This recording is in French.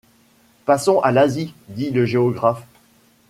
Passons à l’Asie, dit le géographe.